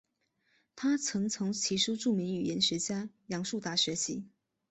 他曾从其叔著名语言学家杨树达学习。